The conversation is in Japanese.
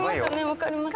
分かります。